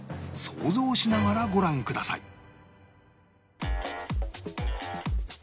想像しながらご覧ください